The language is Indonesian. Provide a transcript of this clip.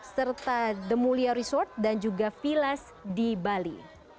serta the mulia resort dan juga vilas di bali